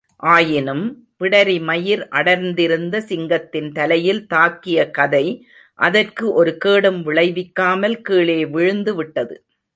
ஆயினும், பிடரி மயிர் அடர்ந்திருந்த சிங்கத்தின் தலையில் தாக்கிய கதை அதற்கு ஒரு கேடும் விளைவிக்காமல் கீழே விழுந்துவிட்டது.